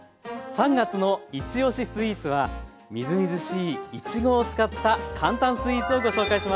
３月の「いちおしスイーツ」はみずみずしいいちごを使った簡単スイーツをご紹介します。